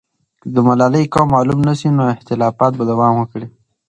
که د ملالۍ قوم معلوم نه سي، نو اختلافات به دوام وکړي.